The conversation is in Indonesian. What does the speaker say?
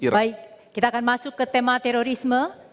baik kita akan masuk ke tema terorisme